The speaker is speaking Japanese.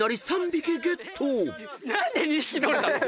何で２匹捕れたの？